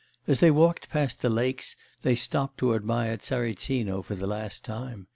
As they walked past the lakes, they stopped to admire Tsaritsino for the last time.